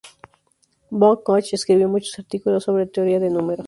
Von Koch escribió muchos artículos sobre teoría de números.